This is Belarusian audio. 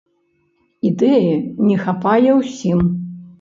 Ідэі не хапае ўсім.